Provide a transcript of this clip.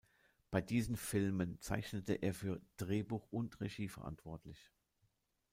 Bei diesen Filmen zeichnete er für Drehbuch und Regie verantwortlich.